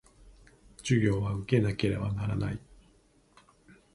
授業は受けなければならない